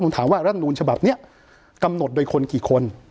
ผมถามว่ารัฐมนูลฉบับนี้กำหนดโดยคนกี่คน